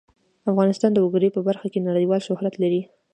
افغانستان د وګړي په برخه کې نړیوال شهرت لري.